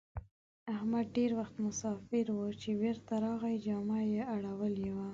احمد ډېر وخت مساپر وو؛ چې بېرته راغی جامه يې اړولې وه.